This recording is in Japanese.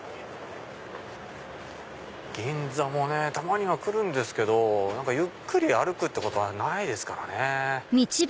銀座もねたまには来るんですけどゆっくり歩くってことはないですからね。